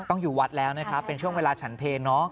ต้องอยู่วัดแล้วนะครับเป็นช่วงเวลาฉันเพลเนอะ